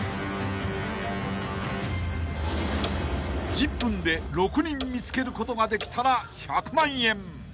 ［１０分で６人見つけることができたら１００万円］